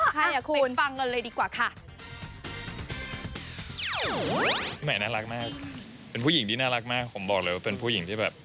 ใหม่น่ารักมากเป็นผู้หญิงที่น่ารักมากผมบอกเลยว่าเป็นผู้หญิงที่แบบ